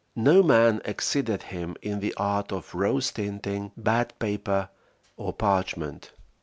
No man exceeded him in the art of rose tinting bad paper or parchment.